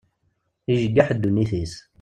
Ijeggeḥ ddunit-is.